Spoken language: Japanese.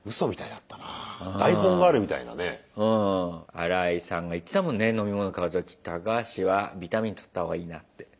アライさんが言ってたもんね飲み物買う時「タカハシはビタミンとった方がいいな」って。